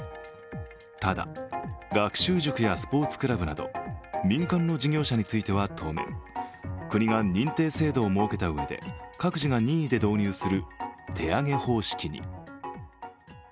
ただ、学習塾やスポーツクラブなど民間の事業者については当面、国が認定制度を設けたうえで各自が任意で導入する手挙げ方式に。